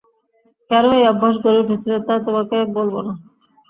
কেন এই অভ্যাস গড়ে উঠেছিল তা তোমাকে বলব না।